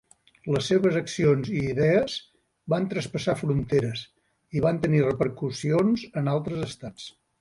Les seves accions i idees van traspassar fronteres i van tenir repercussions en altres estats.